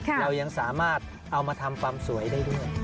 เรายังสามารถเอามาทำความสวยได้ด้วย